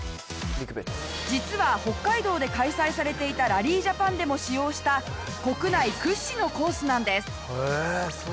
実は北海道で開催されていたラリージャパンでも使用した国内屈指のコースなんです。